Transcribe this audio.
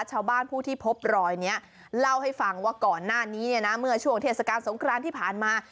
ชาวบ้านผู้ที่พบรอยนี้เล่าให้ฟังว่าก่อนหน้านี้เนี่ยนะเมื่อช่วงเทศกาลสงครานที่ผ่านมา